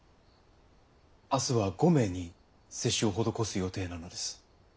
明日は５名に接種を施す予定なのです。